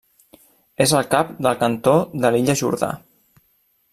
És el cap del Cantó de l'Illa Jordà.